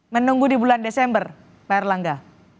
menunggu di bulan desember pak erlangga